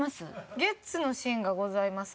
ゲッツのシーンがございますか？